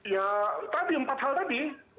ya tadi empat hal tadi